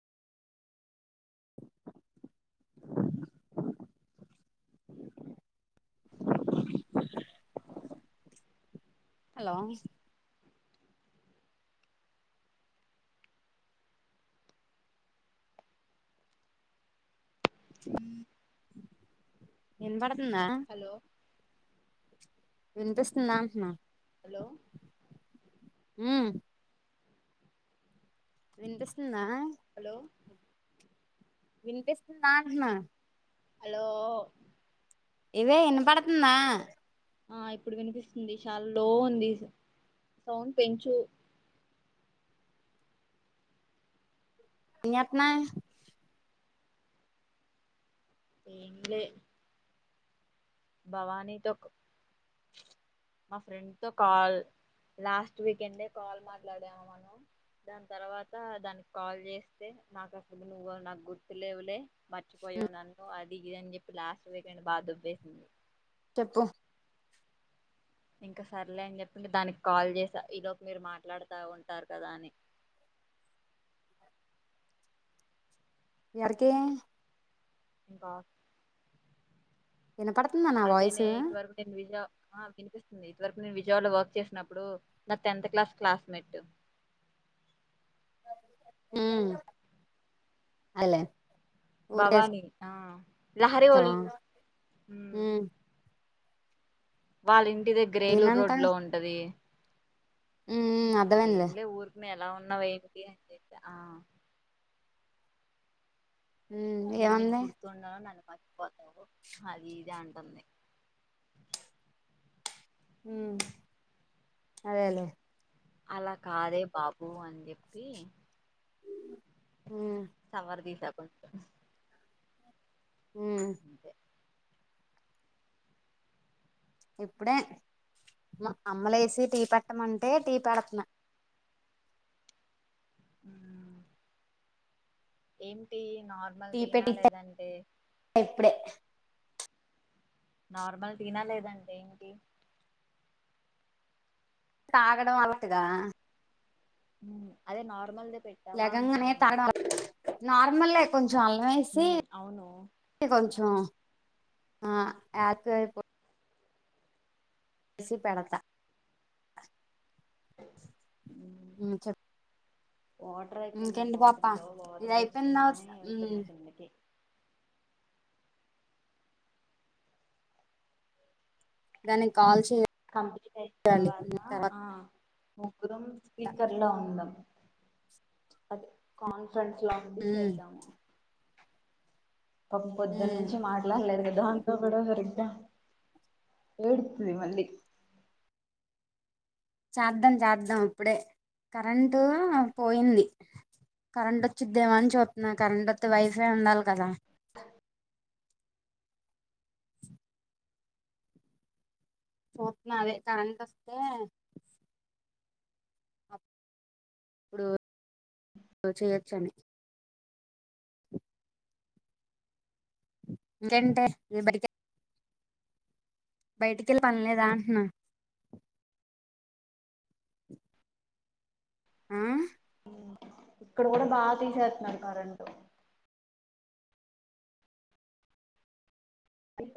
hello హ [inaudible] ఎవడ [inaudible] hello వినిపిస్తుంద అంటున్నా హలో హ వినిపిస్తుందా హలో [inaudible] వినిపిస్తున్నా అన్నా హలో ఇదే ఇన్న పడుతుందా ఆ ఇప్పుడు వినిపిస్తుంది చాలా లో ఉంది సౌండ్ పెంచు ఎంచేస్తన ఏం లె భవానీతో మా ఫ్రెండ్ త కాల్ లాస్ట్ వీకెండ్ కాల్ మాట్లాడాము మనం దాని తర్వాత దానికి కాల్ చేస్తే నాకు అసలు నువ్వు నాకు గుర్తులేవులే మర్చిపోయావు నన్ను అది దిగిద అని చెప్పి లాస్ట్ వేకం బాగా దుబ్బేసింది చెప్పు ఇంకా సర్లే అని చెప్పి దానికి కాల్ చేసా ఈ లోపు మీరు మాట్లాడుతా ఉంటారు కదా అని ఎర్కి బ ఎన్న పడుతుందా నా అదేనే వాయిసు ఇటు వరకు నేను విజయ ఆ వినిపిస్తుంది ఇదివరకు నేను విజయవాడలో వర్క్ చేసినప్పుడు నా టెన్త్ క్లాస్ క్లాస్మేట్ హమ్ అలే భవాని ఆ లహరి వాళ చేసావా ఉమ్ వాళ్ళిం ఇంటి దగ్గర ఎలూరు నేనంట రోడ్ లో ఉంటది ఉమ్ ఉమ్ అర్థమైందిలే ఏం లె ఊరుకి మేము ఎలా ఉన్నావ ఏటి అని చెప్ప ఆ ఉ ఎమంది పపో అదిదంటన్న అదేలే అలా కాదే బాబు అని చెప్పి ఉమ్ సవర్ది స హమ్ అంతే ఇప్పుడే అమ్మలు వేసి టీ పెట్టమంటే టీ పెడుతున్నా అ ఏంటి నార్మల్ టీ టి న పెట్టిచ్చా లేదండి ఇప్పుడే నార్మల్ తిన లేదంటే ఏంటి తాగడం అలటుగా అదే నార్మల్ ద లెగంగానేనే తాడా నార్మల్ కొంచెం కొంచెం అల్లం వేసి మ్మ్ అవును కొంచెం ఆ ఆక ఇ వసిీ పెడత మ్మ్ చెప్ వాటర్ అయిపోయినాయి ఇంకేంటి పాప బాటిల్లో ఇది వాటర్ అయిపోయిన తర్వాత తెచ్చుకున్నాని ఉమ్ వెళ్తున్నా కిందకి దానికి కాల్స్ కంప్లీట్ అయిన తర్వాత ఆ [unintelligible] స్పీకర్ లో ఉందం అది కాన్ ఫ్రెండ్స్ లా ఉండి ఉమ్ చేదము పాపం పొద్దున్న ఉమ్ నుంచి మాట్లాడలేదు కదా దాంతో కూడా సరిగా ఏడుతుది మల్లి చద్దాం చద్దాం ఇప్పుడే కరెంటు పోయింది కరెంట్ వచ్చిద్దేమని చూస్తున్నా కరెంట్ వస్తే వైఫై ఉండాలి కదా పోతున్న అదే కరెంట్ వస్తే ఇప్పుడు చేయొచ్చని ఇంకేంటే ఇ బడిక బయటికి వెళ్ళి పనిలేదా అంటున్నా ఆ ఇక్కడ కూడా బాగా తీసేస్తున్నారు కరెంటు